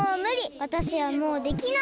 わたしはもうできない！